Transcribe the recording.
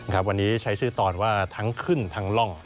ครับวันนี้ใช้ชื่อตอนว่าทั้งขึ้นทั้งร่อง